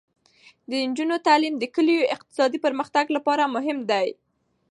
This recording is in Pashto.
د نجونو تعلیم د کلیوالو اقتصادي پرمختګ لپاره مهم دی.